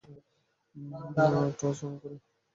Torch on করো।